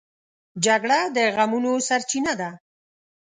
جګړه د غمونو سرچینه ده